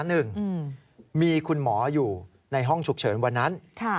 หนึ่งมีคุณหมออยู่ในห้องฉุกเฉินวันนั้น